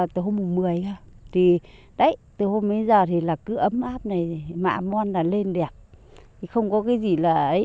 từ hôm mùng một mươi từ hôm bây giờ cứ ấm áp này mạ môn là lên đẹp không có cái gì là ấy